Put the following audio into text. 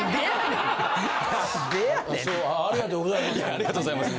ありがとうございます。